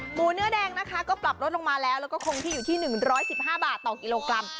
หมูเนื้อแดงนะคะก็ปรับลดลงมาแล้วก็คงที่อยู่ที่หนึ่งร้อยสิบห้าบาทต่อกิโลกรัม